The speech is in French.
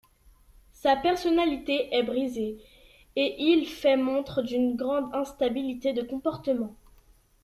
Sa personnalité est brisée et il fait montre d'une grande instabilité de comportement.